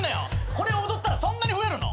これ踊ったらそんなに増えるの？